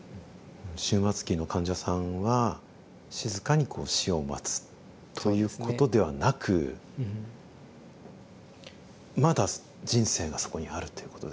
終末期の患者さんは静かにこう死を待つということではなくまだ人生がそこにあるということですね。